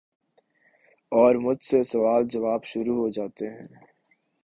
اور مجھ سے سوال جواب شروع ہو جاتے ہیں ۔